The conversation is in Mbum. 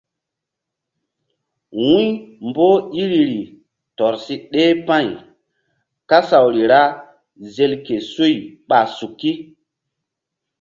Wu̧y mboh iriri tɔr si ɗeh pa̧y kasawri ra zel ke suy ɓa suki.